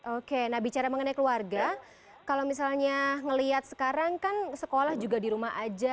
oke nah bicara mengenai keluarga kalau misalnya ngelihat sekarang kan sekolah juga di rumah aja